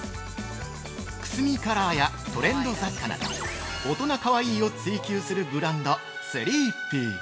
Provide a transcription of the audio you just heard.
◆くすみカラーやトレンド雑貨など大人かわいいを追求するブランドスリーピー。